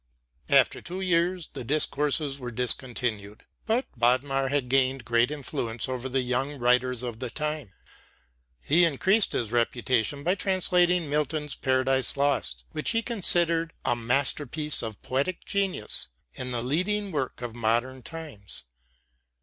After two years the Discourses were discontinued; but Bodmer had gained great influence over the young writers of the time. He increased his reputation by translating Milton's 'Paradise Lost,' which he considered "a masterpiece of poetic genius, and the leading work of modern times."